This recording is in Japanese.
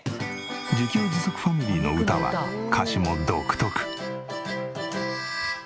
自給自足ファミリーの歌は歌詞も独特。